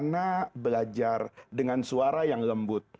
bagaimana belajar dengan suara yang lembut